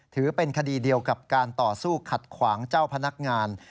ถือเป็นคดีเดียวกับการต่อสู้ขัดขวางเจ้าพนักงาน